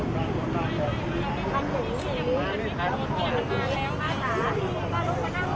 ยังไม่มีดีแววเลยอะไรนะชื่ออนุทินหรอก